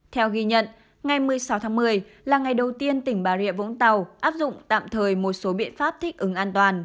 theo ghi nhận ngày một mươi sáu tháng một mươi là ngày đầu tiên tỉnh bà rịa vũng tàu áp dụng tạm thời một số biện pháp thích ứng an toàn